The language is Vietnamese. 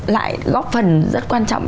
lại góp phần rất quan trọng